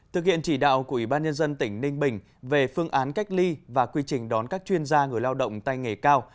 thực hiện chỉ đạo của ủy ban nhân dân tỉnh ninh bình về phương án cách ly và quy trình đón các chuyên gia người lao động tay nghề cao